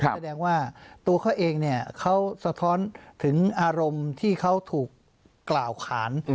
แสดงว่าตัวเขาเองเนี่ยเขาสะท้อนถึงอารมณ์ที่เขาถูกกล่าวขาน